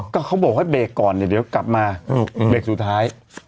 ก็เขาบอกว่าเบรกก่อนเนี่ยเดี๋ยวกลับมาเบรกสุดท้าย